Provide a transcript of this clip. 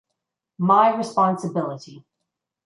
My Responsibility!